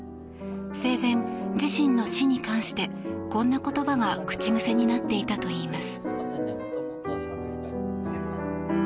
生前、自身の死に関してこんな言葉が口癖になっていたといいます。